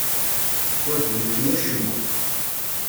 Ur d-yefki acemma.